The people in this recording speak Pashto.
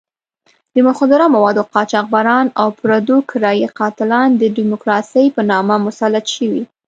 د مخدره موادو قاچاقبران او پردو کرایي قاتلان د ډیموکراسۍ په نامه مسلط شوي.